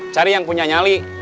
cari yang punya nyali